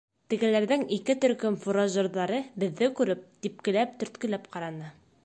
Т егеләрҙең ике төркөм фуражерҙары беҙҙе күреп, типкеләп-төрткөләп ҡараны.